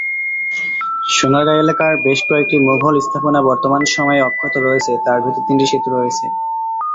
সোনারগাঁ এলাকার বেশ কয়েকটি মুঘল স্থাপনা বর্তমানে সময়ে অক্ষত রয়েছে তার ভেতর তিনটি সেতু রয়েছে।